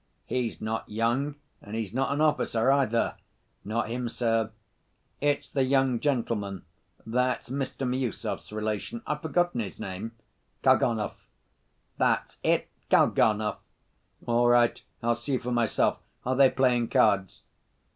"He's not young, and he's not an officer, either. Not him, sir. It's the young gentleman that's Mr. Miüsov's relation ... I've forgotten his name." "Kalganov." "That's it, Kalganov!" "All right. I'll see for myself. Are they playing cards?"